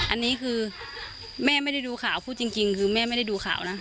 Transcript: อันนี้คือแม่ไม่ได้ดูข่าวพูดจริงคือแม่ไม่ได้ดูข่าวนะ